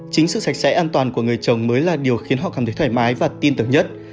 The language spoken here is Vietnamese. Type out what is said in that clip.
chính sự sạch sẽ an toàn của người chồng mới là điều khiến họ cảm thấy thoải mái và tin tưởng nhất